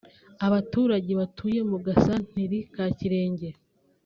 Abaturage batuye mu gasanteri ka Kirenge